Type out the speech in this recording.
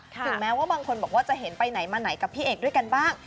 ถึงแม้ว่าบางคนบอกว่าจะเห็นไปไหนมาไหนกับพี่เอกด้วยกันบ้าง